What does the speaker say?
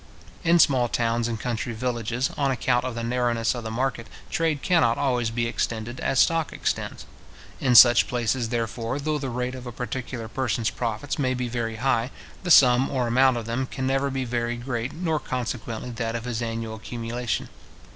In small towns and country villages, on account of the narrowness of the market, trade cannot always be extended as stock extends. In such places, therefore, though the rate of a particular person's profits may be very high, the sum or amount of them can never be very great, nor consequently that of his annual accumulation.